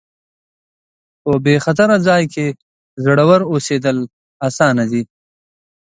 په بې خطره ځای کې زړور اوسېدل اسانه دي.